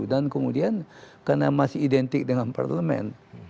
dan kemudian karena masih identik dengan parlement